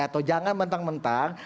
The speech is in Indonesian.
atau jangan mentang mentang